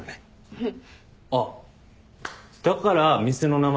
うん。